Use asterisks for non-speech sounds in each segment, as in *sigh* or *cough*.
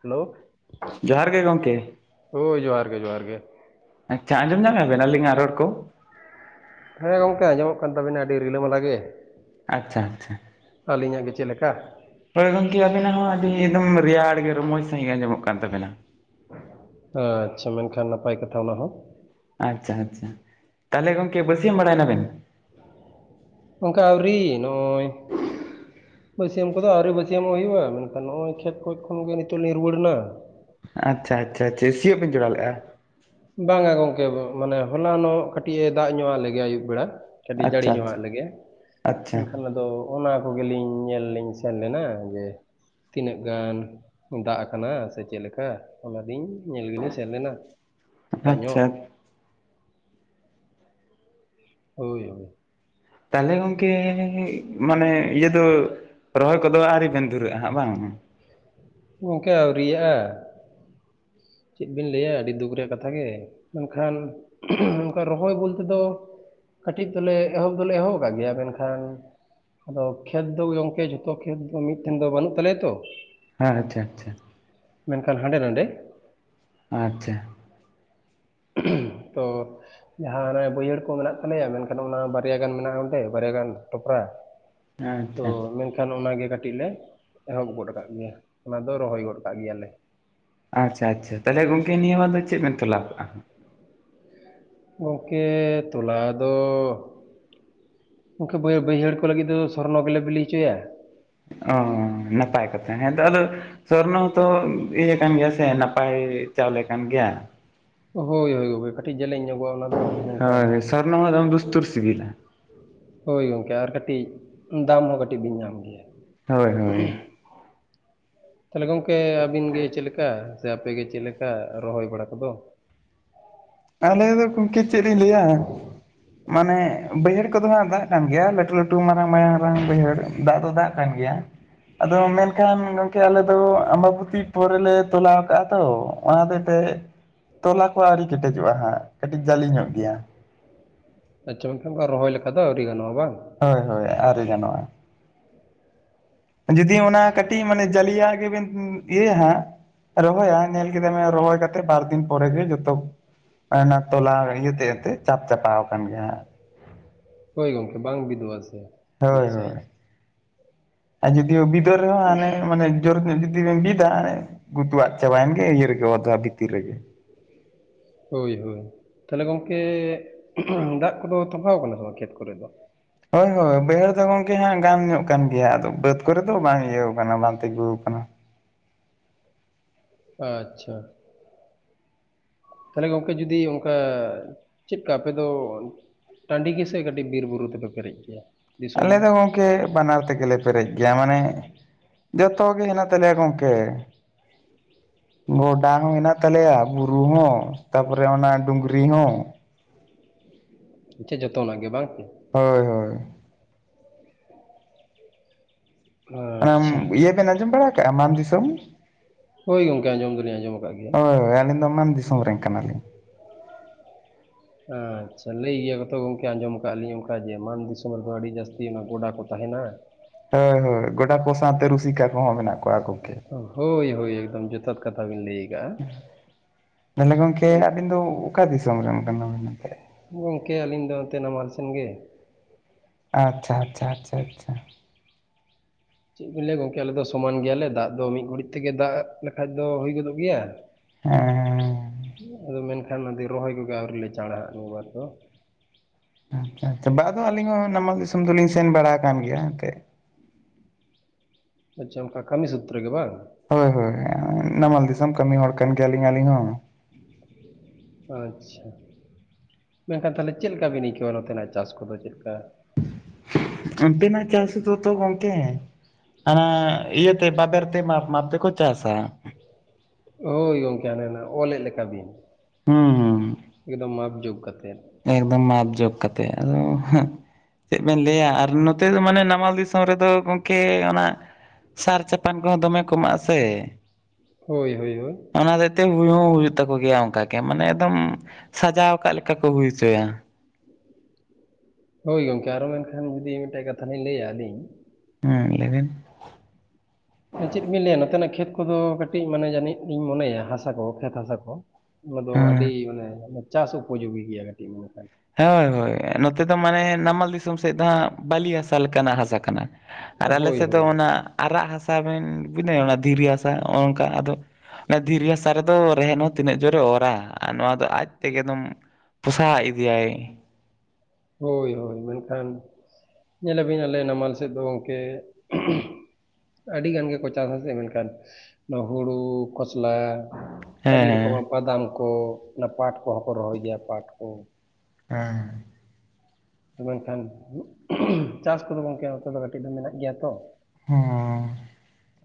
Hello ᱡᱚᱦᱟᱨ ᱜᱮ ᱜᱚᱝᱠᱮ᱾ ᱦᱳᱭ ᱡᱚᱦᱟᱨ ᱜᱮ ᱡᱚᱦᱟᱨ ᱜᱮ᱾ ᱟᱪᱪᱷᱟ ᱟᱸᱡᱚᱢ ᱧᱟᱢ ᱮᱜ-ᱟ ᱵᱮᱱ ᱟᱹᱞᱤᱧᱟᱜ ᱨᱚᱲ ᱠᱚ? ᱦᱮᱸ ᱜᱚᱝᱠᱮ ᱟᱸᱡᱚᱢᱚᱜ ᱠᱟᱱ ᱛᱟᱵᱤᱱᱟ ᱟᱹᱰᱤ ᱨᱤᱞᱟᱹ ᱢᱟᱞᱟ ᱜᱮ᱾ ᱟᱪᱪᱷᱟ, ᱟᱪᱪᱷᱟ᱾ ᱟᱹᱞᱤᱧᱟᱜ ᱜᱮ ᱪᱮᱫ ᱞᱮᱠᱟ? ᱦᱳᱭ ᱜᱚᱝᱠᱮ ᱟᱵᱤᱱᱟᱜ ᱦᱚᱸ ᱟᱹᱰᱤ ᱮᱠᱫᱚᱢ ᱨᱮᱭᱟᱲ ᱜᱮ ᱨᱚᱢᱡᱽ ᱥᱟᱸᱦᱤᱡ ᱜᱮ ᱟᱸᱡᱚᱢᱚᱜ ᱠᱟᱱ ᱛᱟᱵᱮᱱᱟ᱾ ᱟᱪᱪᱷᱟ ᱢᱮᱱᱠᱷᱟᱱ ᱱᱟᱯᱟᱭ ᱠᱟᱛᱷᱟ ᱚᱱᱟ ᱦᱚᱸ᱾ ᱟᱪᱪᱷᱟ, ᱟᱪᱪᱷᱟ ᱛᱟᱦᱞᱮ ᱜᱚᱝᱠᱮ ᱵᱟᱹᱥᱭᱟᱹᱢ ᱵᱟᱲᱟᱭ ᱱᱟᱵᱮᱱ? ᱜᱚᱝᱠᱮ ᱟᱹᱣᱨᱤ ᱱᱚᱸᱜ-ᱚᱭ ᱵᱟᱹᱥᱭᱟᱹᱢ ᱠᱚᱫᱚ ᱟᱹᱣᱨᱤ ᱵᱟᱹᱥᱭᱟᱹᱢᱚᱜ ᱦᱩᱭᱩᱜ-ᱟ᱾ ᱢᱮᱱᱠᱷᱟᱱ ᱦᱚᱸᱜ-ᱚᱭ ᱠᱷᱮᱛ ᱠᱷᱚᱡ ᱠᱷᱚᱱ ᱜᱮ ᱱᱤᱛᱚᱜ ᱞᱤᱧ ᱨᱩᱣᱟᱹᱲ ᱱᱟ᱾ ᱟᱪᱪᱷᱟ, ᱟᱪᱪᱷᱟ, ᱟᱪᱪᱷᱟ ᱪᱮᱫ ᱥᱤᱭᱳᱜ ᱵᱤᱱ ᱡᱚᱲᱟᱣ ᱞᱮᱜ-ᱟ? ᱵᱟᱝ-ᱟ ᱜᱚᱝᱠᱮ ᱢᱟᱱᱮ ᱦᱚᱞᱟᱱᱚᱜ ᱠᱟᱹᱴᱤᱡ ᱮ ᱫᱟᱜ ᱧᱚᱜ ᱟᱜ ᱞᱮᱜᱮᱭᱟ ᱟᱹᱭᱩᱵ ᱵᱮᱲᱟ᱾ ᱠᱟᱹᱴᱤᱡ ᱡᱟᱹᱲᱤ ᱟᱪᱪᱷᱟ ᱧᱚᱜ ᱟᱜ ᱟᱪᱪᱷᱟ ᱞᱮᱜᱮᱭᱟ ᱟᱪᱪᱷᱟ ᱮᱱᱠᱷᱟᱱ ᱟᱫᱚ ᱚᱱᱟ ᱠᱚᱜᱮ ᱞᱤᱧ ᱧᱮᱞ ᱞᱤᱧ ᱥᱮᱱ ᱞᱮᱱᱟ ᱡᱮ ᱛᱤᱱᱟᱹᱜ ᱜᱟᱱ ᱫᱟᱜ ᱠᱟᱱᱟ ᱥᱮ ᱪᱮᱫ ᱞᱮᱠᱟ᱾ ᱚᱱᱟ ᱞᱤᱧ ᱧᱮᱞ ᱜᱮᱞᱤᱧ ᱥᱮᱱ ᱞᱮᱱᱟ ᱥᱮᱛᱟᱜ ᱧᱚᱜ᱾ ᱟᱪᱪᱷᱟ ᱦᱳᱭ, ᱦᱳᱭ᱾ ᱛᱟᱦᱞᱮ ᱜᱚᱝᱠᱮ ᱢᱟᱱᱮ ᱤᱭᱟᱹ ᱫᱚ ᱨᱚᱦᱚᱭ ᱠᱚᱫᱚ ᱟᱹᱣᱨᱤ ᱵᱮᱱ ᱫᱷᱩᱨᱟᱹᱜ-ᱟ ᱦᱟᱸᱜ ᱵᱟᱝ᱾ ᱜᱚᱝᱠᱮ ᱟᱹᱣᱨᱤᱭᱟᱜ-ᱟ᱾ ᱪᱮᱫ ᱵᱤᱱ ᱞᱟᱹᱭ-ᱟ ᱟᱹᱰᱤ ᱫᱩᱠ ᱨᱮᱭᱟᱜ ᱠᱟᱛᱷᱟ ᱜᱮ᱾ ᱢᱮᱱᱠᱷᱟᱱ ᱚᱱᱠᱟ ᱨᱚᱦᱚᱭ ᱵᱚᱞᱛᱮ ᱫᱚ ᱠᱟᱹᱴᱤᱡ ᱫᱚᱞᱮ ᱮᱦᱚᱵ ᱫᱚᱞᱮ ᱮᱦᱚᱵ ᱟᱠᱟᱜ ᱜᱮᱭᱟ᱾ ᱢᱮᱱᱠᱷᱟᱱ ᱟᱫᱚ ᱠᱷᱮᱛ ᱫᱚ ᱜᱚᱝᱠᱮ ᱡᱷᱚᱛᱚ ᱠᱷᱮᱛ ᱫᱚ ᱢᱤᱫᱴᱷᱮᱱ ᱫᱚ ᱵᱟᱹᱱᱩᱜ ᱛᱟᱞᱮᱭᱟ ᱛᱚ᱾ ᱦᱮᱸ ᱟᱪᱪᱷᱟ, ᱟᱪᱪᱷᱟ᱾ ᱢᱮᱱᱠᱷᱟᱱ ᱦᱟᱸᱰᱮ ᱱᱟᱸᱰᱮ ᱟᱪᱪᱷᱟ᱾ ᱛᱚ ᱡᱟᱦᱟ ᱦᱟᱱᱮ ᱵᱟᱹᱭᱦᱟᱹᱲ ᱠᱚ ᱢᱮᱱᱟᱜ ᱛᱟᱞᱮᱭᱟ ᱢᱮᱱᱠᱷᱟᱱ ᱚᱱᱟ ᱵᱟᱨᱭᱟ ᱜᱟᱱ ᱢᱮᱱᱟᱜ-ᱟ ᱚᱸᱰᱮ ᱵᱟᱨᱭᱟ ᱜᱟᱱ ᱴᱚᱯᱨᱟ᱾ ᱛᱚ ᱟᱪᱪᱷᱟ ᱢᱮᱱ ᱮᱱᱠᱷᱟᱱ ᱚᱱᱟ ᱜᱮ ᱠᱟᱹᱴᱤᱡ ᱞᱮ ᱮᱦᱚᱵ ᱜᱚᱫ ᱠᱟᱜ ᱜᱮᱭᱟ᱾ ᱚᱱᱟ ᱫᱚ ᱨᱚᱦᱚᱭ ᱜᱚᱫ ᱠᱟᱜ ᱜᱮᱭᱟᱞᱮ᱾ ᱟᱪᱪᱷᱟ, ᱟᱪᱪᱷᱟ ᱛᱟᱦᱞᱮ ᱜᱚᱝᱠᱮ ᱱᱤᱭᱟᱹ ᱵᱟᱨ ᱫᱚ ᱪᱮᱫ ᱵᱮᱱ ᱛᱚᱞᱟ ᱞᱟᱜ-ᱟ? ᱜᱚᱝᱠᱮ ᱛᱚᱞᱟ ᱫᱚ ᱜᱚᱝᱠᱮ ᱵᱟᱹᱭ ᱵᱟᱹᱭᱦᱟᱹᱲ ᱠᱚ ᱞᱟᱹᱜᱤᱫ ᱫᱚ ᱥᱚᱨᱱᱚ ᱜᱮᱞᱮ ᱵᱤᱞᱤ ᱦᱚᱪᱚᱭ-ᱟ᱾ ᱚ ᱱᱟᱯᱟᱭ ᱠᱟᱛᱷᱟ ᱦᱮᱸᱛᱚ ᱟᱫᱚ ᱥᱚᱨᱱᱚ ᱦᱚᱛᱚ ᱤᱭᱟᱹ ᱠᱟᱱ ᱜᱮᱭᱟ ᱥᱮ ᱱᱟᱯᱟᱭ ᱪᱟᱣᱞᱮ ᱠᱟᱱ ᱜᱮᱭᱟ᱾ ᱦᱳᱭ, ᱦᱳᱭ ᱠᱟᱹᱴᱤᱡ ᱡᱮᱞᱮᱧ ᱧᱚᱜᱚᱜ-ᱟ ᱚᱱᱟ ᱫᱚ ᱢᱮᱱᱠᱷᱟᱱ ᱟᱨ ᱥᱚᱨᱱᱚ ᱦᱚᱸ ᱫᱟᱢ ᱫᱩᱥᱛᱩᱨ ᱥᱤᱵᱤᱞᱟ᱾ ᱦᱳᱭ ᱜᱚᱝᱠᱮ ᱟᱨ ᱠᱟᱹᱴᱤᱡ ᱫᱟᱢ ᱦᱚᱸ ᱠᱟᱹᱴᱤᱡ ᱵᱤᱱ ᱧᱟᱢ ᱜᱮᱭᱟ᱾ ᱦᱳᱭ, ᱦᱳᱭ᱾ ᱛᱟᱦᱞᱮ ᱜᱚᱝᱠᱮ ᱟᱹᱵᱤᱱ ᱜᱮ ᱪᱮᱫᱮ ᱞᱮᱠᱟ ᱥᱮ ᱟᱯᱮᱜ ᱜᱮ ᱪᱮᱫᱮ ᱞᱮᱠᱟ ᱨᱚᱦᱚᱭ ᱵᱟᱲᱟ ᱠᱚᱫᱚ? ᱟᱞᱮ ᱫᱚ ᱜᱚᱢᱠᱮ ᱪᱮᱫ ᱞᱤᱧ ᱞᱟᱹᱭᱼᱟ᱾ ᱢᱟᱱᱮ ᱵᱟᱹᱭᱦᱟᱹᱲ ᱠᱚᱫᱚ ᱦᱜ ᱫᱟᱜ ᱠᱟᱱ ᱜᱮᱭᱟ ᱞᱟᱹᱴᱩ ᱞᱟᱹᱴᱩ ᱢᱟᱨᱟᱝ ᱢᱟᱭᱟᱝ ᱢᱟᱨᱟᱝ ᱵᱟᱹᱭᱦᱟᱹᱲ ᱫᱟᱜ ᱫᱚ ᱫᱟᱜ᱾ ᱠᱟᱱ ᱜᱮᱭᱟ ᱟᱫᱚ ᱢᱮᱱᱠᱷᱟᱱ ᱜᱚᱢᱠᱮ ᱟᱞᱮ ᱫᱚ ᱟᱢᱵᱟᱵᱚᱛᱤ᱾ ᱯᱚᱨᱮᱞᱮ ᱛᱚᱞᱟᱣ ᱠᱟᱜᱼᱟ ᱛᱚ ᱚᱱᱟ ᱦᱚᱛᱮᱡ ᱛᱮ ᱛᱚᱞᱟ ᱠᱚ ᱟᱣᱨᱤ᱾ ᱠᱮᱴᱮᱡᱚᱜᱼᱟ ᱦᱟᱸᱜ ᱠᱟᱹᱴᱤᱡ ᱡᱟᱹᱞᱤ ᱧᱚᱜ ᱜᱮᱭᱟ ᱟᱪᱪᱷᱟ ᱢᱮᱱᱠᱷᱟᱱᱠᱟ ᱨᱚᱦᱚᱭ ᱞᱮᱠᱟ ᱫᱚ ᱟᱹᱣᱨᱤ ᱜᱟᱱᱚᱜᱼᱟ ᱵᱟᱝ᱾ ᱦᱳᱭ ᱦᱳᱭ ᱟᱣᱨᱤ ᱜᱟᱱᱚᱜᱼᱟ ᱡᱩᱫᱤ ᱚᱱᱟ ᱠᱟᱹᱴᱤᱡ ᱢᱟᱱᱮ ᱡᱟᱞᱤᱭᱟ ᱜᱮᱵᱮᱱ ᱤᱭᱟᱹᱭᱟ ᱦᱟᱜ᱾ ᱨᱚᱦᱚᱭᱟ ᱧᱮᱞ ᱠᱮᱫᱟ ᱵᱮᱱ ᱨᱚᱦᱚᱭ ᱠᱟᱛᱮ ᱵᱟᱨ ᱫᱤᱱ ᱯᱚᱨᱮ ᱜᱮ ᱡᱚᱛᱚ᱾ ᱚᱱᱟ ᱛᱚᱞᱟ ᱤᱭᱟᱹᱛᱮᱜ ᱮᱱᱛᱮᱜ ᱪᱟᱯ ᱪᱟᱯᱟ ᱟᱠᱟᱱ ᱜᱮᱭᱟ ᱦᱟᱸᱜ᱾ ᱦᱳᱭ ᱜᱚᱝᱠᱮ ᱵᱟᱝ *unintelligible* ᱦᱳᱭ ᱦᱳᱭ ᱥᱟᱺᱦᱤᱡ ᱟᱨ ᱡᱫᱤᱳ ᱵᱤᱫᱚᱨ ᱨᱮᱦᱚᱸ ᱦᱟᱱᱮ ᱢᱟᱱᱮ᱾ ᱡᱳᱨ ᱧᱚᱜ ᱡᱩᱫᱤ ᱵᱮᱱ ᱵᱤᱫᱟ ᱜᱩᱛᱩᱣᱟᱜ ᱪᱟᱵᱟᱭᱮᱱ ᱜᱮ ᱤᱭᱟᱹ ᱨᱮᱜᱮ ᱚᱫᱷᱟ ᱵᱷᱤᱛᱤᱨ ᱨᱮᱜᱮ᱾ ᱦᱳᱭ ᱦᱳᱭ ᱛᱟᱦᱚᱞᱮ ᱜᱚᱝᱠᱮ ᱫᱟᱜ ᱠᱚᱫᱚ ᱛᱚᱵᱟᱣ ᱟᱠᱟᱱᱟ ᱥᱮ ᱵᱟᱝ ᱠᱷᱮᱛ ᱠᱚᱨᱮ ᱫᱚ᱾ ᱦᱳᱭ ᱦᱳᱭ ᱵᱟᱹᱭᱦᱟᱹᱲ ᱫᱚ ᱜᱚᱢᱠᱮ ᱦᱟᱸᱜ ᱜᱟᱱ ᱧᱚᱜ ᱠᱟᱱ ᱜᱮᱭᱟ ᱟᱫᱚ ᱵᱟᱹᱫ ᱠᱚᱨᱮ ᱫᱚ ᱵᱟᱝ ᱤᱭᱟᱹ ᱠᱟᱱᱟ ᱵᱟᱝ ᱛᱤᱸᱜᱩ ᱟᱠᱟᱱᱟ᱾ ᱟᱪᱪᱷᱟ ᱛᱟᱦᱚᱞᱮ ᱜᱚᱝᱠᱮ ᱡᱩᱚᱫᱤ ᱚᱱᱠᱟ ᱪᱮᱫᱠᱟ ᱟᱯᱮ ᱫᱚ ᱴᱟᱺᱰᱤ ᱜᱮᱥᱮ ᱠᱟᱹᱴᱤᱡ ᱵᱤᱨ ᱵᱩᱨᱩ ᱛᱮᱯᱮ ᱯᱮᱨᱮᱡ ᱜᱮᱭᱟ᱾ ᱟᱞᱮ ᱫᱚ ᱜᱚᱢᱠᱮ ᱵᱟᱱᱟᱨ ᱛᱮᱜᱮᱞᱮ ᱯᱮᱨᱮᱡ ᱜᱮᱭᱟ ᱢᱟᱱᱮ᱾ ᱡᱚᱛᱚ ᱜᱮ ᱦᱮᱱᱟᱜ ᱛᱟᱞᱮᱭᱟ ᱜᱚᱝᱠᱮ ᱜᱚᱰᱟ ᱦᱚᱸ ᱦᱮᱱᱟᱜ ᱛᱟᱞᱮᱭᱟ ᱵᱩᱨᱩ ᱦᱚᱸ ᱛᱟᱯᱚᱨᱮ ᱚᱱᱟ ᱰᱩᱝᱨᱤ ᱦᱚᱸ᱾ ᱪᱮ ᱡᱚᱛᱚᱱᱟᱜ ᱜᱮ ᱵᱟᱝ ᱦᱳᱭ ᱦᱳᱭ ᱚᱱᱟ ᱟᱪᱪᱷᱟ ᱤᱭᱟᱹ ᱵᱮᱱ ᱟᱸᱡᱚᱢ ᱵᱟᱲᱟ ᱠᱟᱜ-ᱟ ᱢᱟᱱ ᱫᱤᱥᱚᱢ? ᱦᱳᱭ ᱜᱚᱝᱠᱮ ᱟᱸᱡᱚᱢ ᱫᱚᱞᱤᱧ ᱟᱸᱡᱚᱢ ᱟᱠᱟᱫ ᱜᱮᱭᱟ ᱦᱳᱭ ᱟᱹᱞᱤᱧ ᱫᱚ ᱢᱟᱱ ᱫᱤᱥᱚᱢ ᱨᱮᱱ ᱠᱟᱱᱟᱞᱤᱧ᱾ ᱟᱪᱪᱷᱟ ᱞᱟᱹᱭ ᱜᱮᱭᱟ ᱠᱚ ᱛᱚ ᱜᱚᱝᱠᱮ ᱟᱸᱡᱚᱢ ᱟᱠᱟᱫ ᱞᱤᱧ ᱚᱱᱠᱟ ᱡᱮ ᱢᱟᱱ ᱫᱤᱥᱚᱢ ᱨᱮᱫᱚ ᱟᱹᱰᱤ ᱡᱟᱹᱥᱛᱤ ᱚᱱᱟ ᱜᱚᱰᱟ ᱠᱚ ᱛᱟᱦᱮᱱᱟ᱾ ᱦᱳᱭ ᱦᱳᱭ ᱜᱚᱴᱟ ᱠᱚ ᱥᱟᱶᱛᱮ ᱨᱩᱥᱤᱠᱟ ᱠᱚᱦᱚᱸ ᱢᱮᱱᱟᱜ ᱠᱚᱣᱟ᱾ ᱜᱚᱝᱠᱮ ᱦᱳᱭ ᱦᱳᱭ ᱮᱠᱫᱚᱢ ᱡᱚᱛᱷᱟᱛ ᱠᱟᱛᱷᱟ ᱵᱤᱱ ᱞᱟᱹᱭ ᱟᱠᱟᱟᱜ-ᱟ᱾ ᱛᱟᱦᱚᱞᱮ ᱜᱚᱝᱠᱮ ᱟᱹᱵᱤᱱ ᱫᱚ ᱚᱠᱟ ᱫᱤᱥᱚᱢ ᱨᱮᱱ ᱠᱟᱱᱟ ᱢᱮᱱᱛᱮ? ᱜᱚᱝᱠᱮ ᱟᱹᱞᱤᱧ ᱫᱚ ᱱᱚᱱᱛᱮ ᱱᱟᱢᱟᱞ ᱥᱮᱱ ᱜᱮ᱾ ᱟᱪᱪᱷᱟ ᱟᱪᱪᱷᱟ ᱟᱪᱪᱷᱟ ᱟᱪᱪᱷᱟ ᱪᱮᱫ ᱵᱤᱱ ᱞᱟᱹᱭᱟ ᱜᱚᱝᱠᱮ ᱟᱞᱮ ᱫᱚ ᱥᱚᱢᱟᱱ ᱜᱮᱭᱟᱞᱮ ᱫᱟᱜ ᱫᱚ ᱢᱤᱫ ᱜᱷᱟᱲᱤᱡ ᱛᱮᱜᱮ ᱫᱟᱜ ᱞᱮᱠᱷᱟᱡ ᱫᱚ ᱦᱩᱭ ᱜᱚᱫᱚᱜ ᱜᱮᱭᱟ᱾ ᱦᱮᱸ ᱟᱫᱚ ᱢᱮᱱᱠᱷᱟᱱ ᱫᱚ ᱨᱚᱦᱚᱭ ᱠᱚᱜᱮ ᱟᱹᱣᱨᱤ ᱞᱮ ᱪᱟᱲᱟ-ᱟ ᱱᱤᱭᱟᱹ ᱵᱟᱨ ᱫᱚ᱾ ᱟᱪᱪᱷᱟ ᱟᱪᱪᱷᱟ ᱵᱟ ᱫᱚ ᱟᱹᱞᱤᱧ ᱦᱚᱸ ᱱᱟᱢᱟᱞ ᱫᱤᱥᱚᱢ ᱫᱚᱞᱤᱧ ᱥᱮᱱ ᱵᱟᱲᱟ ᱟᱠᱟᱱ ᱜᱮᱭᱟ ᱦᱮᱛᱮᱜ᱾ ᱟᱪᱪᱷᱟ ᱚᱱᱠᱟ ᱠᱟᱹᱢᱤ ᱥᱩᱛᱨᱚ ᱜᱮ ᱵᱟᱝ? ᱦᱳᱭ ᱦᱳᱭ ᱱᱟᱢᱟᱞ ᱫᱤᱥᱚᱢ ᱠᱟᱹᱢᱤ ᱦᱚᱲ ᱠᱟᱱ ᱜᱮᱭᱟᱞᱤᱧ ᱟᱹᱞᱤᱧ ᱦᱚᱸ᱾ ᱟᱪᱪᱷᱟ ᱢᱮᱱᱠᱷᱟᱱ ᱛᱟᱦᱚᱞᱮ ᱪᱮᱫ ᱞᱮᱠᱟ ᱵᱤᱱ ᱟᱹᱭᱠᱟᱹᱣᱟ ᱱᱚᱛᱮᱱᱟᱜ ᱪᱟᱥ ᱠᱚᱫᱚ ᱪᱮᱫ ᱞᱮᱠᱟ᱾ ᱚᱱᱛᱮᱱᱟᱜ ᱪᱟᱥ ᱫᱚᱛᱚ ᱜᱚᱝᱠᱮ ᱦᱟᱱᱟ ᱤᱭᱟᱹ ᱛᱮ ᱵᱟᱵᱮᱨ ᱛᱮ ᱢᱟᱯ ᱢᱟᱯ ᱛᱮ ᱠᱚ ᱪᱟᱥᱼᱟ᱾ ᱦᱳᱭ ᱜᱚᱝᱠᱮ ᱚᱞᱮᱫ ᱞᱮᱠᱟ ᱵᱤᱱ ᱦᱩᱸ ᱦᱩᱸ ᱮᱠᱫᱚᱢ ᱢᱟᱯ ᱡᱳᱜ ᱠᱟᱛᱮᱫ᱾ ᱮᱠᱫᱚᱢ ᱢᱟᱯ ᱡᱳᱜ ᱠᱟᱛᱮ ᱟᱫᱚ ᱪᱮᱫ ᱵᱮᱱ ᱞᱟᱹᱭᱟ ᱟᱨ ᱱᱚᱛᱮ ᱫᱚ ᱢᱟᱱᱮ ᱱᱟᱢᱟᱞ ᱫᱤᱥᱚᱢ ᱨᱮᱫᱚ ᱜᱚᱢᱠᱮ ᱚᱱᱟ ᱥᱟᱨ ᱪᱟᱯᱟᱱ ᱠᱚᱦᱚᱸ ᱫᱚᱢᱮ ᱠᱚ ᱮᱢᱟᱜ-ᱟᱥᱮ᱾ ᱦᱳᱭ ᱦᱳᱭ ᱦᱳᱭ, ᱚᱱᱟ ᱦᱚᱛᱮᱛᱮ ᱦᱩᱭ ᱦᱚᱸ ᱦᱩᱭᱩᱜ ᱛᱟᱠᱚ ᱜᱮᱭᱟ ᱚᱱᱠᱟ ᱜᱮ ᱢᱟᱱᱮ ᱮᱠᱫᱚᱢ ᱥᱟᱡᱟᱣ ᱠᱫ ᱞᱮᱠᱟ ᱠᱚ ᱦᱩᱭ ᱦᱚᱪᱚᱭᱟ᱾ ᱦᱳᱭ ᱜᱚᱢᱠᱮ ᱟᱨᱚ ᱢᱮᱱᱠᱷᱟᱱ ᱡᱩᱫᱤ ᱢᱤᱫᱴᱮᱱ ᱠᱟᱛᱷᱟ ᱞᱤᱧ ᱞᱟᱹᱭᱟ ᱟᱹᱞᱤᱧ᱾ ᱦᱩᱸ ᱞᱮᱵᱤᱱ, ᱪᱮᱫ ᱵᱤᱱ ᱞᱟᱹᱭᱟ ᱱᱚᱛᱮᱱᱟᱜ ᱠᱷᱮᱛ ᱠᱚ ᱫᱚ ᱠᱟᱹᱴᱤᱡ ᱢᱟᱱᱮ ᱡᱟᱹᱱᱤᱡ ᱤᱧ ᱢᱚᱱᱮᱭᱟ ᱦᱟᱥᱟ ᱠᱚ ᱠᱷᱮᱛ ᱦᱟᱥᱟ ᱠᱚ, ᱚᱱᱟ ᱫᱚ ᱦᱮᱸ ᱟᱹᱰᱤ ᱢᱟᱱᱮ ᱪᱟᱥ ᱩᱯᱚᱡᱳᱜᱤ ᱜᱮᱭᱟ ᱠᱟᱹᱴᱤᱡ ᱢᱚᱱᱮᱠᱷᱟᱱ᱾ ᱦᱳᱭ ᱦᱳᱭ, ᱱᱚᱛᱮ ᱫᱚ ᱢᱟᱱᱮ ᱱᱟᱢᱟᱞ ᱫᱤᱥᱚᱢ ᱥᱮᱫ ᱫᱚ ᱦᱟᱸᱜ ᱵᱟᱹᱞᱤ ᱦᱟᱥᱟ ᱞᱮᱠᱟᱱᱟᱜ ᱦᱟᱥᱟ ᱠᱟᱱᱟ᱾ ᱟᱨ ᱟᱞᱮ ᱦᱳᱭ ᱥᱮᱫ ᱫᱚ ᱦᱳᱭ ᱚᱱᱟ ᱟᱨᱟᱜ ᱦᱟᱥᱟ ᱵᱮᱱ ᱵᱩᱡᱽᱫᱟ ᱵᱤᱱ ᱚᱱᱟ ᱫᱷᱤᱨᱤ ᱦᱟᱥᱟ ᱱᱚᱝᱠᱟ ᱟᱫᱚ ᱚᱱᱮ ᱫᱷᱤᱨᱤ ᱦᱟᱥᱟ ᱨᱮ ᱫᱚ ᱨᱮᱦᱮᱫ ᱦᱚᱸ ᱛᱤᱱᱟᱹᱜ ᱡᱳᱨᱮ ᱚᱨᱟ ᱟᱨ ᱱᱚᱣᱟ ᱫᱚ ᱟᱡᱛᱮᱜᱮ ᱫᱚᱢ ᱯᱚᱥᱟᱣ ᱤᱫᱤᱭᱟᱭ ᱾ ᱦᱳᱭ ᱦᱳᱭ, ᱢᱮᱱᱠᱷᱟᱱ ᱧᱮᱞ ᱟᱵᱤᱱ ᱟᱞᱮ ᱱᱟᱢᱟᱞ ᱥᱮᱫ ᱫᱚ ᱜᱚᱢᱠᱮ ᱟᱹᱰᱤ ᱜᱟᱱ ᱜᱮ ᱠᱚ ᱪᱟᱥ ᱟᱥᱮ ᱢᱮᱱ ᱠᱷᱟᱱ ᱱᱚᱣᱟ ᱦᱩᱲᱩ ᱠᱷᱚᱥᱞᱟ ᱟᱹᱰᱤ ᱦᱮᱸ᱾ ᱨᱚᱠᱚᱢᱟᱜ ᱵᱟᱫᱟᱢ ᱠᱚ ᱚᱱᱟ ᱯᱟᱴ ᱠᱚ ᱦᱚᱸ ᱠᱚ ᱨᱚᱦᱚᱭ ᱜᱮᱭᱟ ᱯᱟᱴ ᱠᱚ᱾ ᱦᱮᱸ, ᱟᱫᱚ ᱢᱮᱱ ᱠᱷᱟᱱ ᱪᱟᱥ ᱠᱚ ᱫᱚ ᱜᱚᱢᱠᱮ ᱱᱚᱛᱮ ᱫᱚ ᱠᱟᱹᱴᱤᱡ ᱫᱚ ᱢᱮᱱᱟᱜ ᱜᱮᱭᱟ ᱛᱚ ᱦᱩᱸ,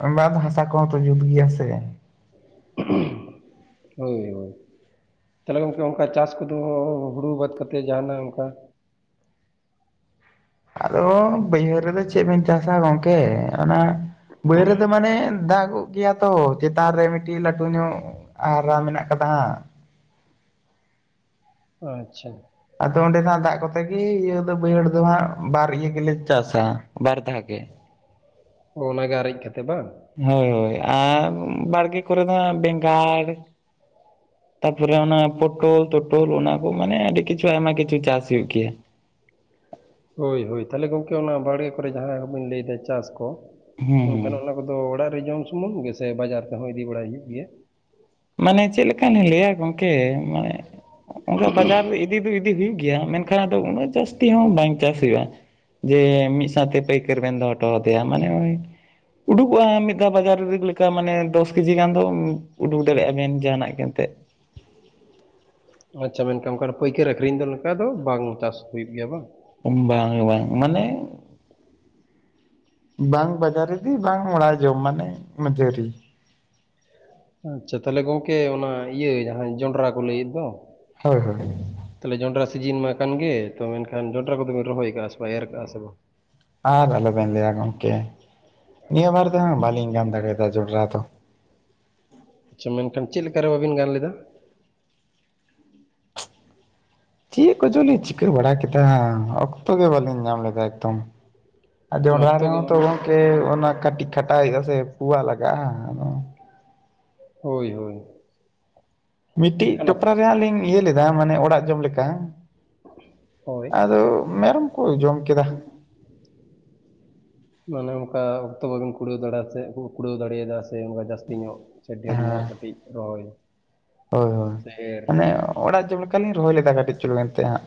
ᱚᱱᱟ ᱫᱚ ᱦᱟᱥᱟ ᱠᱚ ᱦᱚᱸ ᱛᱚ ᱡᱩᱛ ᱜᱮᱭᱟ ᱥᱮ᱾ ᱦᱳᱭ ᱦᱳᱭ, ᱛᱟᱦᱚᱞᱮ ᱜᱚᱢᱠᱮ ᱚᱱᱠᱟ ᱪᱟᱥ ᱠᱚ ᱫᱚ ᱦᱩᱲᱩ ᱵᱟᱫ ᱠᱟᱛᱮᱫ ᱡᱟᱦᱟᱱᱟᱜ ᱚᱝᱠᱟ? ᱟᱫᱚ ᱵᱟᱹᱭᱦᱟᱹᱲ ᱨᱮ ᱫᱚ ᱪᱮᱫ ᱵᱤᱱ ᱪᱟᱥᱟ ᱜᱚᱢᱠᱮ? ᱚᱱᱟ ᱵᱟᱹᱭᱦᱟᱹᱲ ᱨᱮ ᱫᱚ ᱢᱟᱱᱮ ᱫᱟᱜᱚᱜ ᱜᱮᱭᱟ ᱛᱚ ᱪᱮᱛᱟᱱ ᱨᱮ ᱢᱤᱫᱴᱤᱡ ᱞᱟᱹᱴᱩ ᱧᱚᱜ, ᱟᱨᱟ ᱢᱮᱱᱟᱜ ᱟᱠᱟᱫᱟ ᱦᱟᱜ᱾ ᱟᱪᱪᱷᱟ, ᱟᱫᱚ ᱚᱸᱰᱮᱱᱟᱜ ᱫᱟᱜ ᱠᱚᱛᱮ ᱜᱮ ᱤᱭᱟᱹ ᱫᱚ ᱵᱟᱹᱭᱦᱟᱹᱲ ᱫᱚ ᱦᱟᱸᱜ ᱵᱟᱨ ᱤᱭᱟᱹ ᱜᱮᱞᱮ ᱪᱟᱥᱟ, ᱵᱟᱨᱫᱷᱟ ᱜᱮ᱾ ᱚᱱᱟ ᱜᱮ ᱟᱨᱮᱡ ᱠᱟᱛᱮ ᱵᱟᱝ? ᱦᱳᱭ ᱦᱳᱭ ᱟᱨ ᱵᱟᱲᱜᱮ ᱠᱚᱨᱮ ᱫᱚ ᱦᱟᱸᱜ ᱵᱮᱸᱜᱟᱲ ᱛᱟᱨᱯᱚᱨᱮ ᱚᱱᱟ ᱯᱳᱴᱚᱞ ᱛᱳᱴᱚᱞ ᱚᱱᱟ ᱠᱚ ᱢᱟᱱᱮ ᱟᱹᱰᱤ ᱠᱤᱪᱷᱩ ᱟᱭᱢᱟ ᱠᱤᱪᱷᱩ ᱪᱟᱥ ᱦᱩᱭᱩᱜ ᱜᱮᱭᱟ᱾ ᱦᱳᱭ ᱦᱳᱭ, ᱛᱟᱦᱮ ᱜᱚᱢᱠᱮ ᱚᱱᱟ ᱵᱟᱲᱜᱮ ᱠᱚᱨᱮ ᱡᱟᱦᱟᱸᱭ ᱠᱚᱵᱤᱱ ᱞᱟᱹᱭᱮᱫᱟ ᱪᱟᱥ ᱠᱚ ᱦᱩᱸ ᱢᱮᱱᱠᱷᱟᱱ ᱚᱱᱟ ᱚᱫᱚ ᱚᱲᱟᱜ ᱨᱮ ᱡᱚᱢ ᱥᱩᱢᱩᱝ ᱜᱮᱥᱮ, ᱵᱟᱡᱟᱨ ᱛᱮᱦᱚᱸ ᱤᱫᱤ ᱵᱟᱲᱟᱭ ᱦᱩᱭᱩᱜ ᱜᱮᱭᱟ? ᱢᱟᱱᱮ ᱪᱮᱫ ᱞᱮᱠᱟᱹᱧ ᱞᱟᱹᱭᱟ ᱜᱚᱢᱠᱮ ᱢᱟᱱᱮ- ᱩᱱᱟᱹᱜ ᱵᱟᱡᱟᱨ ᱤᱫᱤ ᱫᱚ ᱤᱫᱤ ᱤᱫᱤ ᱦᱩᱭᱩᱜ ᱜᱮᱭᱟ ᱢᱮᱱᱠᱷᱟᱱ ᱟᱫᱚ ᱩᱱᱟᱹᱜ ᱡᱟᱹᱥᱛᱤ ᱦᱚᱸ ᱵᱟᱝ ᱪᱟᱥ ᱦᱩᱭᱩᱜᱼᱟ᱾ ᱡᱮ ᱢᱤᱫ ᱥᱟᱶᱛᱮ ᱯᱟᱹᱭᱠᱟᱹᱨ ᱵᱮᱱ ᱫᱚᱦᱚᱴᱚ ᱟᱫᱮᱭᱟ, ᱢᱟᱱᱮ ᱩᱭ ᱩᱰᱩᱜ-ᱟ ᱢᱤᱫ ᱫᱷᱟᱣ ᱵᱟᱡᱟᱨ ᱨᱤᱯ ᱞᱮᱠᱟ ᱢᱟᱱᱮ ᱫᱚᱥ ᱠᱮᱡᱤ ᱜᱟᱱ ᱫᱚ ᱩᱰᱩᱠ ᱫᱟᱹᱲᱮᱭᱟᱜᱼᱟ ᱵᱤᱱ ᱡᱟᱦᱟᱱᱟᱜ ᱮᱱᱛᱮ, ᱟᱪᱪᱷᱟ, ᱢᱮᱱᱠᱷᱟᱱ ᱚᱱᱠᱟᱱ ᱯᱟᱹᱭᱠᱟᱹᱨ ᱟᱠᱷᱨᱤᱧ ᱫᱚ ᱱᱚᱝᱠᱟ ᱫᱚ ᱵᱟᱝ ᱪᱟᱥ ᱦᱩᱭᱩᱜ ᱜᱮᱭᱟ ᱵᱟᱝ? ᱵᱟᱝ ᱵᱟᱝ ᱢᱟᱱᱮ, ᱵᱟᱝ ᱵᱟᱡᱟᱨ ᱨᱮ ᱤᱫᱤ ᱵᱟᱝ ᱚᱲᱟᱜ ᱡᱚᱢ ᱢᱟᱱᱮ ᱢᱟᱹᱡᱷᱟᱹᱨᱤ, ᱟᱪᱪᱷᱟ ᱛᱟᱞᱦᱮ ᱜᱚᱢᱠᱮ ᱚᱱᱟ ᱤᱭᱟᱹ ᱡᱟᱦᱟᱸ ᱡᱚᱱᱰᱨᱟ ᱠᱚ ᱞᱟᱹᱭᱮᱫ ᱫᱚ ᱦᱳᱭ ᱦᱳᱭ ᱦᱳᱭ, ᱛᱟᱞᱦᱮ ᱡᱚᱸᱱᱰᱨᱟ ᱥᱤᱡᱤᱱ ᱢᱟ ᱠᱟᱱ ᱜᱮ ᱛᱚ ᱢᱮᱱᱠᱷᱟᱱ ᱡᱚᱸᱰᱨᱟ ᱠᱚᱫᱚ ᱵᱤᱱ ᱨᱚᱦᱚᱭ ᱠᱟᱜᱼᱟ ᱥᱮ ᱵᱟᱝ ᱮᱨ ᱠᱟᱜᱼᱟ ᱥᱮ ᱵᱟᱝ? ᱟᱨ ᱟᱞᱚᱵᱮᱱ ᱞᱟᱭᱟ ᱜᱚᱢᱠᱮ, ᱱᱤᱭᱟᱹ ᱵᱟᱨ ᱫᱚᱦᱟᱜ ᱵᱟᱹᱞᱤᱧ ᱜᱟᱱ ᱫᱟᱲᱮᱭᱟᱫᱟ ᱡᱚᱸᱱᱰᱨᱟ ᱫᱚ᱾ ᱪᱷᱟ ᱢᱮᱱᱠᱷᱟᱱ ᱪᱮᱫ ᱞᱮᱠᱟ ᱨᱮ ᱵᱟᱹᱵᱤᱱ ᱜᱟᱱ ᱞᱮᱫᱟ? ᱪᱮᱜ ᱠᱚᱪᱚᱞᱤᱧ ᱪᱤᱠᱟᱹ ᱵᱟᱲᱟ ᱠᱮᱫᱟ ᱚᱠᱛᱚ ᱜᱮ ᱵᱟᱹᱞᱤᱧ ᱧᱟᱢ ᱞᱮᱫᱟ ᱮᱠᱫᱚᱢ᱾ ᱟᱨ ᱚᱱᱟ ᱡᱚᱸᱰᱨᱟ ᱚᱠᱛᱚ ᱜᱮ ᱨᱮᱦᱚᱸ ᱛᱚ ᱵᱟᱝ ᱜᱚᱢᱠᱮ ᱚᱱᱟ ᱠᱷᱟᱴᱤᱜ ᱠᱷᱟᱴᱟ ᱦᱳᱭᱳᱜᱼᱟ ᱥᱮ ᱯᱩᱣᱟ ᱞᱟᱜᱟᱜᱼᱟ᱾ ᱟᱫᱚ ᱦᱳᱭ ᱦᱳᱭ, ᱢᱤᱜᱴᱤᱜ ᱢᱮᱱᱠᱷᱟᱱ ᱚᱠ- ᱴᱚᱯᱨᱟ ᱨᱮ ᱦᱟᱸᱜ ᱞᱤᱧ ᱤᱭᱟᱹ ᱞᱮᱫᱟ ᱢᱟᱱᱮ ᱚᱲᱟᱜ ᱡᱚᱢ ᱞᱮᱠᱟ, ᱦᱳᱭ ᱟᱫᱚ ᱢᱮᱨᱚᱢ ᱠᱚ ᱡᱚᱢ ᱠᱮᱫᱟ ᱾ ᱢᱟᱱᱮ ᱚᱱᱠᱟ ᱚᱠᱛᱚ ᱵᱟᱵᱮᱱ ᱠᱩᱲᱟᱹᱣ ᱫᱟᱲᱮ ᱟᱛᱮ ᱠᱩᱲᱟᱹᱣ ᱫᱟᱲᱮᱼᱟᱫᱟ ᱾ ᱥᱮ ᱚᱸᱠᱟ ᱡᱟᱹᱥᱛᱤ ᱧᱚᱜ ᱥᱮ ᱰᱷᱮᱨ ᱧᱚᱜ, ᱠᱟᱹᱴᱤᱡ ᱨᱚᱦᱚᱭ ᱦᱳᱭ ᱦᱳᱭ ᱥᱮ ᱮᱨ ᱢᱟᱱᱮ ᱚᱲᱟᱜ ᱡᱚᱢ ᱞᱮᱠᱟᱞᱤᱧ ᱨᱚᱦᱚᱭ ᱞᱮᱫᱟ᱾ ᱠᱟᱹᱴᱤᱡ ᱪᱩᱞᱩ ᱮᱱᱛᱮ ᱦᱟᱸᱜ,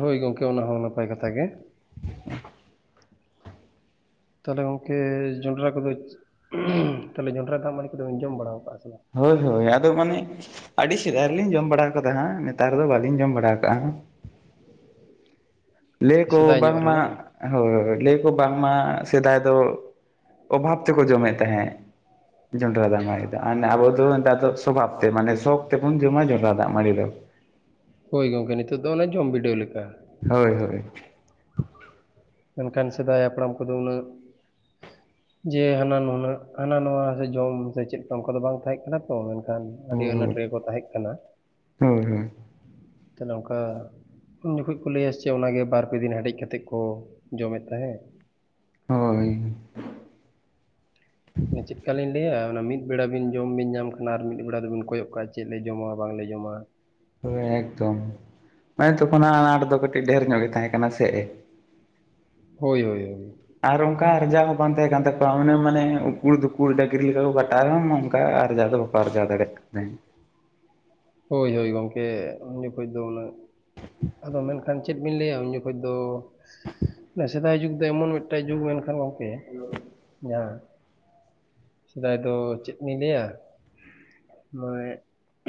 ᱦᱳᱭ ᱜᱚᱝᱠᱮ ᱚᱱᱟ ᱦᱚᱸ ᱱᱟᱯᱟᱭ ᱠᱟᱛᱷᱟ ᱜᱮ ᱾ ᱛᱟᱦᱞᱮ ᱜᱚᱝᱠᱮ ᱡᱚᱸᱰᱨᱟ ᱠᱚᱫᱚ ᱛᱟᱦᱞᱮ ᱡᱚᱸᱰᱨᱟ ᱫᱟᱜ ᱢᱟᱹᱲᱤ ᱠᱚᱫᱚᱵᱤᱱ ᱡᱚᱢ ᱵᱟᱲᱟᱣᱼᱠᱟᱜᱼᱟ ᱥᱮ ᱵᱟᱝ? ᱦᱳᱭ ᱦᱳᱭ ᱟᱫᱚ ᱢᱟᱱᱮ ᱟᱹᱰᱤ ᱥᱮᱫᱟᱭ ᱨᱮᱞᱤᱧ ᱡᱚᱢ ᱵᱟᱲᱟ ᱟᱠᱟᱫᱟ ᱦᱟᱸᱜ, ᱱᱮᱛᱟᱨ ᱫᱚ ᱵᱟᱹᱞᱤᱧ ᱡᱚᱢ ᱵᱟᱲᱟ ᱟᱠᱟᱼᱟ ᱾ ᱞᱟᱹᱭ ᱠᱚ ᱥᱮᱫᱟᱭ ᱧᱚᱜ ᱨᱮ ᱵᱟᱝᱢᱟ ᱵᱟᱝ ᱦᱳᱭ ᱞᱟᱹᱭ ᱠᱚ ᱵᱟᱝᱢᱟ ᱥᱮᱫᱟᱭ ᱫᱚ ᱚᱵᱷᱟᱯ ᱛᱮᱠᱚ ᱡᱚᱢᱮᱜ ᱛᱟᱦᱮᱸᱜ ᱾ ᱡᱚᱸᱰᱨᱟ ᱫᱟᱜ ᱢᱟᱲᱤ ᱫᱚ, ᱟᱵᱚ ᱫᱚ ᱱᱮᱛᱟᱨ ᱫᱚ ᱥᱚᱵᱷᱟᱵ ᱛᱮ, ᱢᱟᱱᱮ ᱥᱚᱠ ᱛᱮᱵᱚᱱ ᱡᱚᱢᱟ ᱡᱚᱸᱰᱨᱟ ᱫᱟᱜ ᱢᱟᱹᱲᱤ ᱫᱚ᱾ ᱦᱳᱭ ᱜᱚᱝᱠᱮ ᱱᱤᱛᱚᱜ ᱫᱚ ᱚᱱᱟ ᱡᱚᱢ ᱵᱤᱰᱟᱹᱣ ᱞᱮᱠᱟ, ᱦᱳᱭ-ᱦᱳᱭ ᱢᱮᱱᱠᱷᱟᱱ ᱥᱮᱫᱟᱭ ᱦᱟᱯᱲᱟᱢ ᱠᱚᱫᱚ ᱩᱱᱟᱹᱜ ᱡᱮ ᱦᱟᱱᱟ ᱱᱩᱱᱟᱹᱜ ᱦᱟᱱᱟ ᱱᱟᱣᱟ ᱥᱮ ᱡᱚᱢ ᱥᱮ ᱪᱮᱫᱻ ᱚᱱᱠᱟ ᱫᱚ ᱵᱟᱝ ᱛᱟᱦᱮᱸ ᱠᱟᱱᱟ ᱛᱚ ᱾ ᱴᱟᱱ ᱟᱹᱰᱤ ᱟᱱᱟᱴ ᱦᱳᱭ ᱨᱮᱜᱮᱠᱚ ᱛᱟᱦᱮᱸ ᱠᱟᱱᱟ ᱦᱳᱭ ᱦᱳᱭ ᱾ ᱛᱟᱞᱦᱮ ᱝᱠᱟ ᱩᱱ ᱡᱚᱠᱷᱚᱡ ᱠᱚ ᱞᱟᱹᱭᱟᱥᱪᱮ ᱚᱱᱟᱜᱮ ᱵᱟᱨᱯᱮ ᱫᱤᱱ ᱦᱮᱰᱮᱡ ᱠᱟᱛᱮᱫ ᱠᱚ ᱡᱚᱢᱮᱜ ᱛᱟᱦᱮᱸ ᱾ ᱦᱳᱭᱻ ᱪᱮᱫᱠᱟᱞᱤᱧ ᱞᱟᱹᱭᱟ? ᱚᱱᱟ ᱢᱤᱫ ᱵᱮᱲᱟ ᱵᱤᱱ ᱡᱚᱢ ᱵᱤᱱ ᱧᱟᱢ ᱠᱷᱟᱱ ᱟᱨ ᱢᱤᱫ ᱵᱮᱲᱟ ᱫᱚᱵᱤᱱ ᱠᱚᱭᱚᱜ ᱠᱟᱜᱼᱟ, ᱪᱮᱫ ᱞᱮ ᱡᱚᱢᱟ ᱵᱟᱝᱞᱮ ᱡᱚᱢᱟ ᱾ ᱦᱚᱭ ᱮᱠᱫᱚᱢ ᱢᱟᱱᱮ ᱛᱚᱠᱷᱚᱱᱟ ᱟᱸᱴ ᱫᱚ ᱠᱟᱹᱴᱤᱡ ᱰᱷᱮᱨ ᱧᱚᱜ ᱜᱮ ᱛᱟᱦᱮᱸ ᱠᱟᱱᱟ ᱥᱮ ᱦᱳᱭ-ᱭᱚᱭ-ᱭᱚᱭ ᱾ ᱟᱨ ᱚᱱᱠᱟ ᱟᱨᱡᱟᱣ ᱦᱚᱸ ᱵᱟᱝ ᱛᱟᱦᱮᱸ ᱠᱟᱱ ᱛᱟᱠᱚᱣᱟ, ᱚᱱᱮ ᱢᱟᱱᱮ ᱩᱠᱩᱲ ᱫᱷᱩᱠᱩᱲ ᱰᱟᱜᱨᱤ ᱞᱮᱠᱟ ᱠᱚ ᱠᱷᱟᱴᱟ ᱨᱮᱦᱚᱸ ᱚᱱᱠᱟ ᱟᱨᱡᱟᱣ ᱫᱚ ᱯᱟᱨᱡᱟ ᱫᱟᱲᱮᱜ ᱠᱟᱹᱱᱟᱹᱧ ᱾ ᱦᱳᱭ ᱦᱳᱭ ᱜᱚᱝᱠᱮ ᱩᱱ ᱡᱚᱠᱷᱚᱡ ᱫᱚ ᱩᱱᱟᱹᱜ ᱟᱫᱚ ᱢᱮᱱᱠᱷᱟᱱ ᱪᱮᱫ ᱵᱤᱱ ᱞᱟᱹᱭᱟ ᱩᱱ ᱡᱚᱠᱷᱚᱡ ᱫᱚ ᱥᱮᱫᱟᱭ ᱡᱩᱜᱽ ᱫᱚ ᱮᱢᱚᱱ ᱢᱤᱜᱴᱟᱡ ᱡᱩᱜᱽ ᱢᱮᱱᱠᱷᱟᱱ ᱜᱚᱝᱠᱮ ᱡᱟᱦᱟᱸ ᱥᱮᱫᱟᱭ ᱫᱚ ᱪᱮᱜ ᱵᱤᱱ ᱞᱟᱹᱭᱟ ᱢᱚᱭᱮ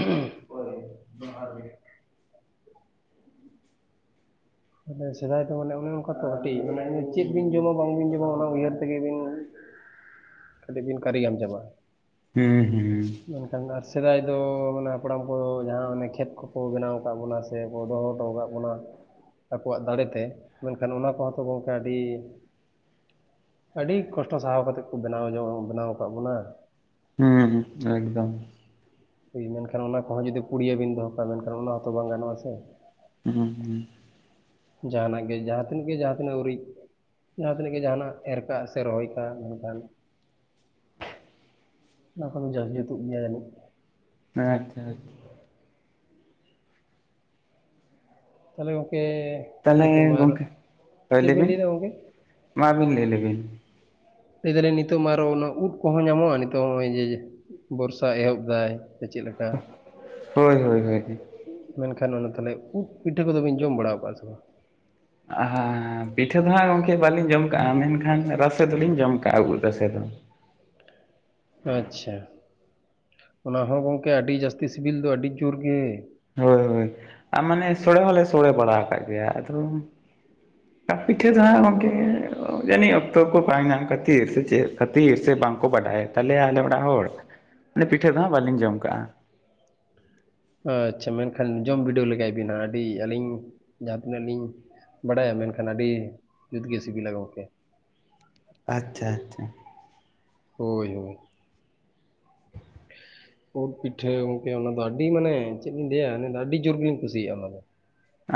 *inaudible* ᱡᱚᱦᱟᱨ ᱜᱮ ᱾ ᱢᱟᱱᱮ ᱥᱮᱫᱟᱭ ᱫᱚ ᱢᱟᱱᱮ ᱚᱱᱮ ᱚᱱᱠᱟ ᱛᱚ ᱠᱟᱹᱴᱤᱡ ᱢᱟᱱᱮ ᱪᱮᱫ ᱵᱤᱱ ᱡᱚᱢᱟ ᱵᱟᱝᱵᱤᱱ ᱡᱚᱢᱟ? ᱚᱱᱟ ᱩᱭᱦᱟᱹᱨ ᱛᱮᱜᱮ ᱵᱤᱱ *unintelligible* ᱠᱟᱹᱴᱤᱜ ᱵᱤᱱ ᱠᱟᱨᱤ ᱜᱟᱢ ᱪᱟᱵᱟᱜᱼᱟ ᱾ ᱦᱩᱸ ᱦᱩᱸ ᱾ ᱢᱮᱱᱠᱷᱟᱱ ᱟᱨ ᱥᱮᱫᱟᱭ ᱫᱚ ᱢᱟᱱᱮ ᱦᱟᱯᱲᱟᱢ ᱠᱚ ᱡᱟᱦᱟᱸ ᱚᱱᱮ ᱠᱷᱮᱛ ᱠᱚᱠᱚ ᱵᱮᱱᱟᱣ ᱟᱠᱟᱫ ᱵᱚᱱᱟ ᱥᱮ ᱥᱮ ᱠᱚ ᱫᱚᱦᱚ ᱦᱚᱴᱚ ᱠᱟᱜ ᱵᱚᱱᱟ ᱟᱠᱚᱣᱟᱜ ᱫᱟᱲᱮᱛᱮ ᱢᱮᱱᱠᱷᱟᱱ ᱚᱱᱟ ᱠᱚᱦᱚᱸ ᱛᱚ ᱜᱚᱢᱠᱮ ᱟᱹᱰᱤᱼᱼ ᱟᱹᱰᱤ ᱠᱚᱥᱴᱚ ᱥᱟᱦᱟᱣ ᱠᱟᱛᱮᱫ ᱠᱚ ᱵᱮᱱᱟᱣ ᱡᱚᱝ ᱵᱮᱱᱟᱣ ᱟᱠᱟᱫ ᱵᱚᱱᱟ ᱾ ᱦᱮᱸ ᱦᱮᱸ ᱮᱠᱫᱚᱢ ᱾ ᱢᱮᱱᱠᱷᱟᱱ ᱚᱱᱟ ᱠᱚᱦᱚᱸ ᱡᱩᱫᱤ ᱯᱩᱲᱤᱭᱟᱹ ᱵᱮᱱ ᱫᱚᱦᱚ ᱠᱟᱜᱼᱟ ᱢᱮᱱᱠᱷᱟᱱ ᱚᱱᱟ ᱦᱚᱸᱛᱚ ᱵᱟᱝ ᱜᱟᱱᱚᱜᱼᱟ ᱥᱮ ᱾ ᱦᱩᱸ ᱦᱩᱸ ᱾ ᱡᱟᱦᱟᱱᱟᱜ ᱜᱮ ᱡᱟᱦᱟᱸ ᱛᱤᱱᱟᱹᱜ ᱜᱮ ᱡᱟᱦᱟᱸᱛᱤᱱᱟᱹᱜ ᱩᱨᱤᱡᱼᱼ ᱡᱟᱦᱟᱸ ᱛᱤᱱᱟᱹᱜ ᱜᱮ ᱡᱟᱦᱟᱱᱟᱜ ᱮᱨ ᱠᱟᱜ ᱥᱮ ᱨᱚᱦᱚᱭ ᱠᱟᱜ ᱢᱮᱱᱠᱷᱟᱱᱼᱼ ᱚᱱᱟ ᱠᱚᱫᱚ ᱡᱟᱹᱠ ᱡᱩᱛᱩᱜ ᱜᱮᱭᱟ ᱡᱟᱹᱱᱤᱡ ᱾ ᱟᱪᱷᱟ ᱟᱪᱷᱟ ᱾ ᱛᱟᱦᱚᱞᱮ ᱜᱚᱢᱠᱮ ᱱᱤᱛᱚᱜ ᱢᱟ ᱛᱟᱦᱚᱞᱮ ᱟᱨ ᱜᱚᱝᱠᱮ ᱦᱳᱭ ᱪᱮᱫ ᱵᱮᱱ ᱵᱤᱱ ᱞᱟᱹᱭ ᱮᱟ ᱜᱚᱢᱠᱮ ᱾ ᱢᱟ ᱟᱵᱤᱱ ᱞᱟᱹᱭ ᱞᱮᱵᱤᱱ ᱾ ᱞᱟᱹᱭ ᱫᱟᱞᱤᱧ ᱱᱤᱛᱚᱜ ᱢᱟ ᱟᱨᱚ ᱚᱱᱟ ᱩᱫ ᱠᱚᱦᱚᱸ ᱧᱟᱢᱚᱜᱼᱟ ᱱᱤᱛᱚᱜ ᱱᱚᱜᱼᱚᱭ ᱡᱮ ᱵᱚᱨᱥᱟ ᱮᱦᱚᱵ ᱫᱟᱭ᱾ ᱥᱮ ᱪᱮᱫ ᱞᱮᱠᱟ ᱦᱳᱭ ᱦᱳᱭ ᱦᱳᱭ ᱢᱮᱱᱠᱷᱟᱱ ᱚᱱᱟ ᱛᱟᱦᱚᱞᱮ ᱩᱫ ᱯᱤᱴᱷᱟᱹ ᱠᱚᱫᱚ ᱵᱤᱱ ᱡᱚᱢ ᱵᱟᱲᱟᱣ ᱠᱟᱜ-ᱟ ᱥᱮ ᱵᱟᱝ? ᱦᱮᱸ ᱯᱤᱴᱷᱟᱹ ᱫᱚ ᱦᱟᱸᱜ ᱜᱚᱢᱠᱮ ᱵᱟᱹᱞᱤᱧ ᱡᱚᱢ ᱠᱟᱜ-ᱟ ᱢᱮᱱᱠᱷᱟᱱ ᱨᱟᱥᱮ ᱫᱚᱞᱤᱧ ᱡᱚᱢ ᱠᱟᱜ-ᱟ ᱩᱫ ᱨᱟᱥᱮ ᱫᱚ᱾ ᱟᱪᱪᱷᱟ ᱚᱱᱟ ᱦᱚᱸ ᱜᱚᱢᱠᱮ ᱟᱹᱰᱤ ᱡᱟᱹᱥᱛᱤ ᱥᱤᱵᱤᱞ ᱫᱚ ᱟᱹᱰᱤ ᱡᱳᱨ ᱜᱮ ᱾ ᱦᱳᱭ ᱦᱳᱭ ᱟᱨ ᱢᱟᱱᱮ ᱥᱳᱲᱮ ᱦᱚᱸᱞᱮ ᱥᱳᱲᱮ ᱵᱟᱲᱟ ᱠᱟᱜ ᱜᱮᱭᱟ, ᱟᱫᱚ ᱯᱤᱴᱷᱟᱹ ᱫᱚᱦᱟᱸᱜ ᱜᱚᱢᱠᱮ ᱡᱟᱹᱱᱤᱡ ᱚᱠᱛᱚ ᱠᱚ ᱵᱟᱝ ᱧᱟᱢ ᱠᱷᱟᱹᱛᱤᱨ ᱥᱮ ᱪᱮᱫ ᱠᱷᱟᱹᱛᱤᱨ ᱥᱮ ᱵᱟᱝᱠᱚ ᱵᱟᱰᱟᱭᱟ ᱾ ᱛᱟᱦᱚᱞᱮ ᱟᱞᱮ ᱚᱲᱟᱜ ᱦᱚᱲ ᱢᱟᱱᱮ ᱯᱤᱴᱷᱟᱹ ᱫᱚ ᱦᱟᱸᱜ ᱵᱟᱞᱤᱧ ᱡᱚᱢ ᱠᱟᱜᱼᱟ᱾ ᱟᱪᱪᱷᱟ ᱢᱮᱱᱠᱷᱟᱱ ᱡᱚᱢ ᱵᱤᱰᱟᱹᱣ ᱞᱮᱜᱟᱭ ᱵᱤᱱ ᱦᱟᱸᱜ ᱟᱹᱰᱤ ᱟᱹᱞᱤᱧ ᱡᱟᱦᱟᱸ ᱛᱤᱱᱟᱹᱜ ᱞᱤᱧ ᱵᱟᱰᱟᱭᱟ ᱢᱮᱱᱠᱷᱟᱱ ᱟᱹᱰᱤ ᱡᱩᱛᱜᱮ ᱥᱤᱵᱤᱞᱟ ᱜᱚᱢᱠᱮ ᱾ ᱟᱪᱪᱷᱟ ᱟᱪᱪᱷᱟ ᱾ ᱦᱳᱭ ᱦᱳᱭ ᱾ ᱩᱫ ᱯᱤᱴᱷᱟᱹ ᱜᱚᱝᱠᱮ ᱚᱱᱟᱫᱚ ᱟᱹᱰᱤ ᱢᱟᱱᱮ ᱪᱮᱫ ᱞᱤᱧ ᱞᱟᱹᱭᱟ ᱚᱱᱟ ᱫᱚ ᱟᱹᱰᱤ ᱡᱳᱨ ᱜᱮᱞᱤᱧ ᱠᱩᱥᱤᱭᱟᱜ-ᱟ ᱚᱱᱟᱫᱚ ᱾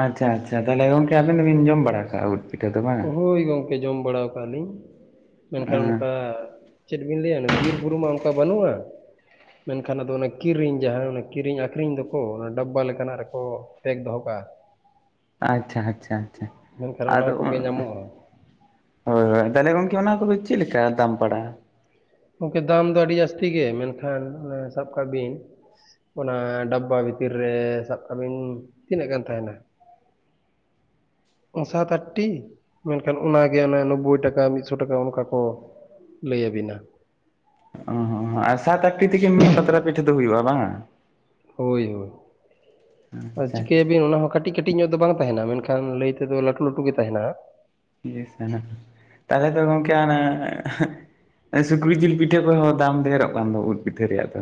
ᱟᱪᱪᱷᱟ ᱟᱪᱪᱷᱟ ᱛᱟᱦᱚᱞᱮ ᱜᱚᱢᱠᱮ ᱟᱵᱤᱱ ᱫᱚᱵᱤᱱ ᱡᱚᱢ ᱵᱟᱲᱟᱜ ᱦᱳᱭ ᱜᱚᱢᱠᱮ ᱡᱚᱢ ᱵᱟᱲᱟᱣ ᱠᱟᱜ-ᱟ ᱞᱤᱧ, ᱢᱮᱱᱠᱷᱟᱱ ᱮᱸ ᱚᱱᱠᱟ ᱪᱮᱫ ᱵᱤᱱ ᱞᱟᱹᱭᱟ ᱵᱤᱨ ᱵᱩᱨᱩ ᱢᱟ ᱚᱱᱠᱟ ᱵᱟᱹᱱᱩᱜ-ᱟ ᱾ ᱢᱮᱱᱠᱷᱟᱱ ᱟᱫᱚ ᱚᱱᱟ ᱠᱤᱨᱤᱧ ᱡᱟᱦᱟᱸ ᱚᱱᱟ ᱠᱤᱨᱤᱧ ᱟᱹᱠᱷᱨᱤᱧ ᱫᱚᱠᱚ ᱚᱱᱟ ᱰᱟᱵᱵᱟ ᱞᱮᱠᱟᱱᱟᱜ ᱨᱮᱠᱚ ᱯᱮᱠ ᱫᱚᱦᱚ ᱠᱟᱜ-ᱟ ᱾ ᱟᱪᱪᱷᱟ ᱟᱪᱪᱷᱟ ᱟᱪᱪᱷᱟ ᱢᱮᱱᱠᱷᱟᱱ ᱟᱫᱚ ᱚᱱᱟ ᱠᱚᱜᱮ ᱧᱟᱢᱚᱜᱼᱟ ᱦᱳᱭ ᱦᱳᱭ ᱛᱟᱦᱚᱞᱮ ᱜᱚᱢᱠᱮ ᱚᱱᱟ ᱠᱚᱫᱚ ᱪᱮᱫ ᱞᱮᱠᱟ ᱫᱟᱢ ᱯᱟᱲᱟᱜ-ᱟ ᱾ ᱜᱚᱢᱠᱮ ᱫᱟᱢ ᱫᱚ ᱟᱹᱰᱤ ᱡᱟᱹᱥᱛᱤ ᱜᱮ ᱢᱮᱱᱠᱷᱟᱱ ᱚᱱᱮ ᱥᱟᱵ ᱠᱟᱜ ᱵᱤᱱ ᱚᱱᱟ ᱰᱟᱵᱵᱟ ᱵᱷᱤᱛᱤᱨ ᱨᱮ ᱥᱟᱵ ᱠᱟᱜ ᱵᱤᱱ ᱛᱤᱱᱟᱹᱜ ᱜᱟᱱ ᱛᱟᱦᱮᱱᱟ? ᱥᱟᱛ ᱟᱴᱴᱤ ᱢᱮᱱᱠᱷᱟᱱ ᱚᱱᱟᱜᱮ ᱚᱱᱮ ᱱᱳᱵᱽᱵᱳᱭ ᱴᱟᱠᱟ ᱢᱤᱫᱥᱚ ᱴᱟᱠᱟ ᱚᱱᱠᱟ ᱠᱚ ᱞᱟᱹᱭ ᱟᱹᱵᱤᱱᱟ ᱾ ᱚ ᱟᱨ ᱥᱟᱛ ᱟᱴᱴᱤ ᱛᱮᱜᱮ ᱢᱤᱫ ᱯᱟᱛᱲᱟ ᱯᱤᱴᱷᱟᱹ ᱫᱚ ᱦᱩᱭᱩᱜ-ᱟ ᱵᱟᱝᱟ? ᱦᱳᱭ ᱦᱳᱭ ᱟᱨ ᱟᱪᱪᱷᱟ ᱪᱤᱠᱟᱹᱭ ᱟᱪᱪᱷᱟ ᱟᱵᱤᱱ ᱚᱱᱟ ᱦᱚᱸ ᱠᱟᱹᱴᱤᱡ ᱠᱟᱹᱴᱤᱡ ᱧᱚᱜ ᱫᱚ ᱵᱟᱝ ᱛᱟᱦᱮᱱᱟ ᱢᱮᱱᱠᱷᱟᱱ ᱞᱟᱹᱭ ᱛᱮᱫᱚ ᱞᱟᱹᱴᱩ ᱞᱟᱹᱴᱩ ᱜᱮ ᱛᱟᱦᱮᱱᱟ ᱾ ᱛᱟᱦᱚᱞᱮ ᱛᱚ ᱜᱚᱢᱠᱮ ᱮᱱᱟ ᱥᱩᱠᱨᱤ ᱡᱤᱞ ᱯᱤᱴᱷᱟᱹ ᱠᱚᱷᱡ ᱦᱚᱸ ᱫᱟᱢ ᱰᱷᱮᱨᱚᱜ ᱠᱟᱱ ᱫᱚ ᱩᱫ ᱯᱤᱴᱷᱟᱹ ᱨᱮᱭᱟᱜ ᱫᱚ᱾